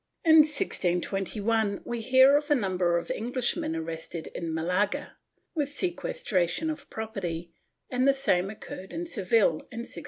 In 1621 we hear of a number of Englishmen arrested in Malaga, with sequestration of property, and the same occurred in Seville, in 1622.